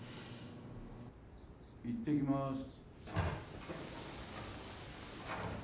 行ってきます